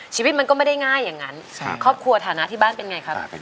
ชีวิตมันก็ไม่ได้ง่ายอย่างนั้นครอบครัวฐานะที่บ้านเป็นไงครับ